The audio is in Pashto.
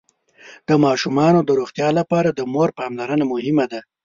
د ماشومانو د روغتيا لپاره د مور پاملرنه مهمه ده.